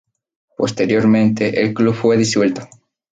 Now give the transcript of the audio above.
Posteriormente, el club fue disuelto.